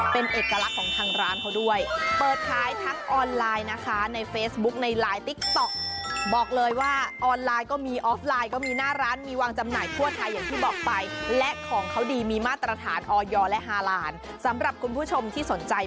เป็นเอกลักษณ์ของทางร้านเขาด้วย